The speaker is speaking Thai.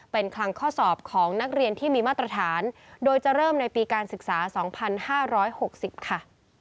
เป็นคลังข้อสอบของนักเรียนที่มีมาตรฐานโดยจะเริ่มในปีการศึกษา๒๕๖๐ค่ะ